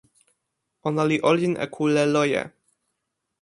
ona li olin e kule loje.